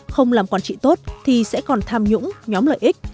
không làm quản trị tốt thì sẽ còn tham nhũng nhóm lợi ích